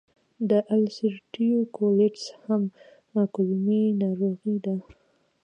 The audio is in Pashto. د السرېټیو کولیټس هم کولمې ناروغي ده.